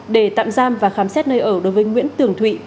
để tạm giam và khám xét nơi ở đối với nguyễn tường thụy